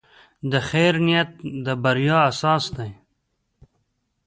د خیر نیت د بریا اساس دی.